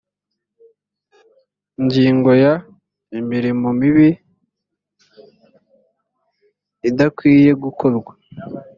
ingingo ya imirimo mibi idakwiye gukorwa